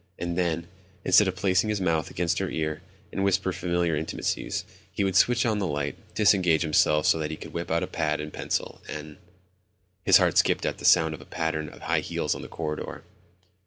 And then, instead of placing his mouth against her ear and whispering the familiar intimacies, he would switch on the light, disengage himself so that he could whip out a pad and pencil and ... His heart skipped at the sound pattern of high heels on the corridor.